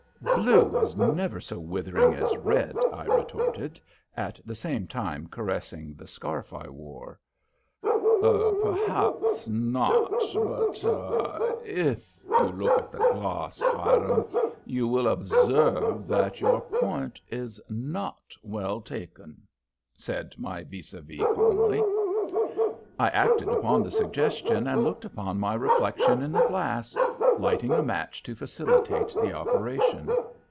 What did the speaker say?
"Blue is never so withering as red," I retorted, at the same time caressing the scarf I wore. "Perhaps not but ah if you will look in the glass, Hiram, you will observe that your point is not well taken," said my vis a vis, calmly. I acted upon the suggestion, and looked upon my reflection in the glass, lighting a match to facilitate the operation.